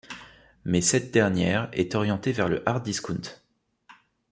Mais cette dernière est orientée vers le hard-discount.